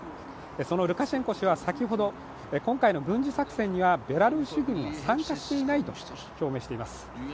そのルカシェンコ氏は先ほど今回の軍事作戦にはベラルーシ軍は参加していないとしています。